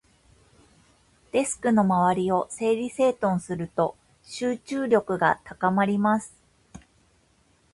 デスクの周りを整理整頓すると、集中力が高まります。